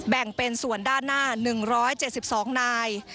แบ่งเป็นส่วนด้านหน้า๑๗๒นาย